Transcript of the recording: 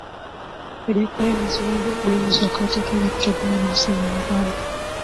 Wajackoya amezua gumzo kote Kenya kutokana na msimamo wake